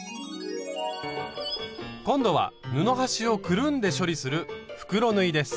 今度は布端をくるんで処理する袋縫いです。